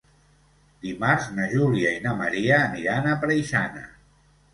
Dimarts na Júlia i na Maria aniran a Preixana.